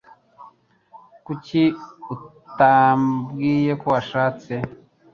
Kuki utabwiye ko washatse?